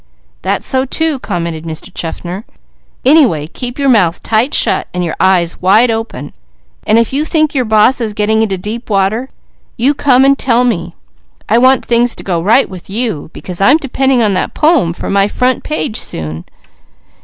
"That's so too," commented Mr. Chaffner. "Anyway, keep your mouth tight shut, and your eyes wide open, and if you think your boss is getting into deep water, you come and tell me. I want things to go right with you, because I'm depending on that poem for my front page, soon."